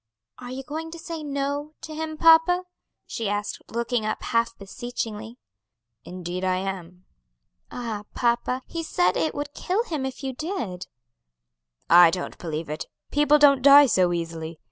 "Are you going to say 'No' to him, papa?" she asked, looking up half beseechingly. "Indeed I am." "Ah, papa, he said it would kill him if you did." "I don't believe it; people don't die so easily.